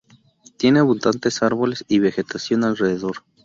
Tiene abundantes árboles y vegetación alrededor.